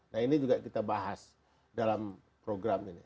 nah ini juga kita bahas dalam program ini